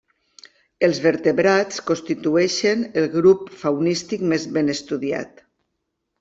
Els vertebrats constitueixen el grup faunístic més ben estudiat.